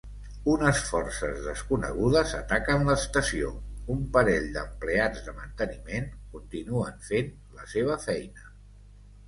Unes forces desconegudes ataquen l'estació; un parell d'empleats de manteniment continuen fent la seva feina.